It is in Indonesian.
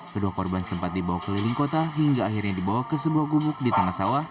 kedua korban sempat dibawa keliling kota hingga akhirnya dibawa ke sebuah gubuk di tengah sawah